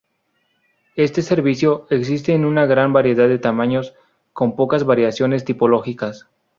Este "servicio" existe en una gran variedad de tamaños, con pocas variaciones tipológicas.